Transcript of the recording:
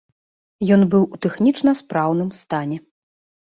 Ён быў у тэхнічна спраўным стане.